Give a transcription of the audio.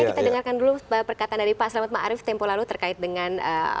kita dengarkan dulu perkataan dari pak selamat ma'arif tempoh lalu terkait dengan